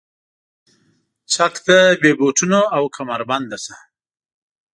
چک ته بې بوټونو او کمربنده شه.